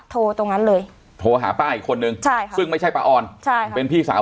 ตรงนั้นเลยโทรหาป้าอีกคนนึงใช่ค่ะซึ่งไม่ใช่ป้าออนใช่ค่ะเป็นพี่สาว